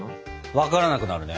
分からなくなるね。